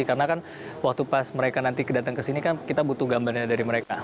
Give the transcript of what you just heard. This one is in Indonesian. karena kan waktu pas mereka nanti datang ke sini kan kita butuh gambarnya dari mereka